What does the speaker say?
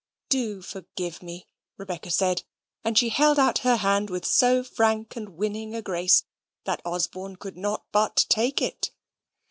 Do forgive me!" Rebecca said, and she held out her hand with so frank and winning a grace, that Osborne could not but take it.